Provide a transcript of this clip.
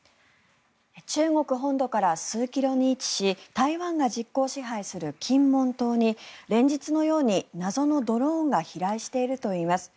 中国本土から数キロに位置し台湾が実効支配する金門島に連日のように謎のドローンが飛来しているといいます。